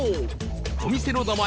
お店の名前